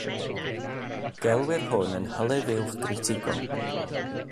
Gelwir hwn yn hylif uwch gritigol.